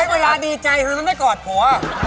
เฮ้ยเวลาดีใจมันไม่กอดหัว